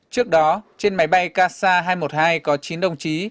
trước đó trên máy bay kc hai trăm một mươi hai có chín đồng chí